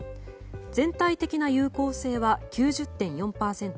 全体的な有効性は９０．４％。